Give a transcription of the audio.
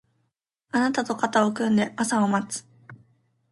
あなたと肩を組んで朝を待つ